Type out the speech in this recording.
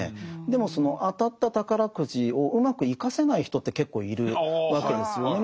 でもその当たった宝くじをうまく生かせない人って結構いるわけですよね。